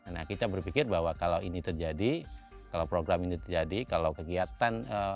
nah kita berpikir bahwa kalau ini terjadi kalau program ini terjadi kalau kegiatan